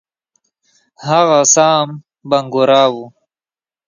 هغه سام بنګورا وو.